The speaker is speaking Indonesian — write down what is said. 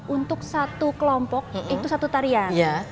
untuk satu kelompok itu satu tarian